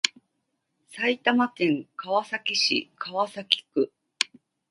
埼玉県川崎市川崎区